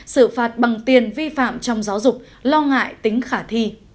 xử phạt bằng tiền vi phạm trong giáo dục lo ngại tính khả thi